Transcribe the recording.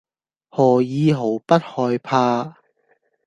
何以毫不害怕；